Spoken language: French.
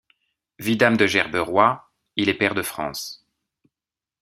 Vidame de Gerberoy, il est pair de France.